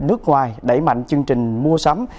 nước ngoài đẩy mạnh chương trình mua sắm